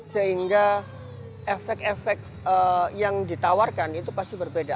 sehingga efek efek yang ditawarkan itu pasti berbeda